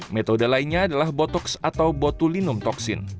metode lainnya adalah botox atau botulinum toksin